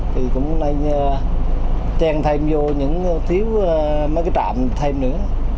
thì cũng nên trang thêm vô những thiếu mấy cái trạm thêm nữa